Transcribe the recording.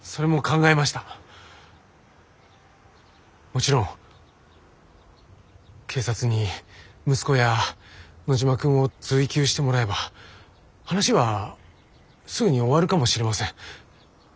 もちろん警察に息子や野嶋くんを追及してもらえば話はすぐに終わるかもしれません。